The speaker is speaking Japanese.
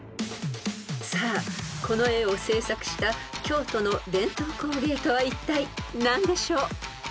［さあこの絵を制作した京都の伝統工芸とはいったい何でしょう？］